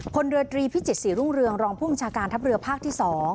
พลเรือตรีพิจิตศรีรุ่งเรืองรองผู้บัญชาการทัพเรือภาคที่๒